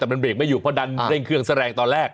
แต่มันเรกไม่อยู่เพราะดันเร่งเครื่องแสดงตอนแรก